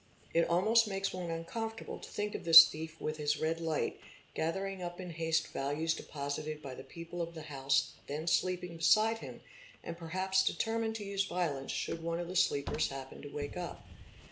It almost makes one uncom fortable to think of this thief with his redlight gathering up in haste © valuables deposited by the people of the house then sleeping beside him and perhaps determined to use violence should one of the sleepers happen to wake up.